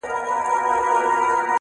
په پوهېږمه که نه د وجود ساز دی~